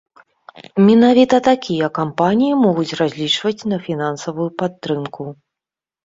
Менавіта такія кампаніі могуць разлічваць на фінансавую падтрымку.